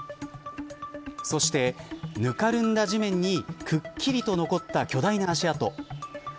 そして、ぬかるんだ地面にくっきりと残った巨大な足跡。